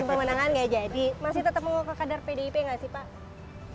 tipe menangan gak jadi masih tetap mau ke kadar pdip gak sih pak